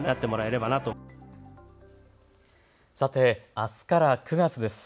あすから９月です。